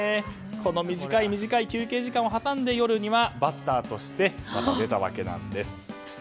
この短い休憩時間を挟んで夜にはバッターとしてまた出たわけなんです。